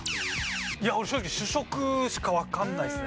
いや俺正直主食しかわかんないですね。